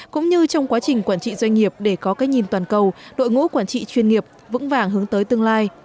cũng như trong quá trình quản trị doanh nghiệp để có cái nhìn toàn cầu đội ngũ quản trị chuyên nghiệp vững vàng hướng tới tương lai